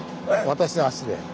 私の足で。